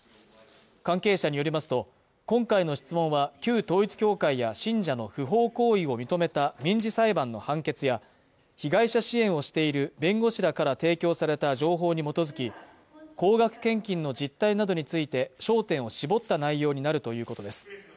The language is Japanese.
関係者によりますと今回の質問は旧統一教会や信者の不法行為を認めた民事裁判の判決や被害者支援をしている弁護士らから提供された情報に基づき高額献金の実態などについて焦点を絞った内容になるということです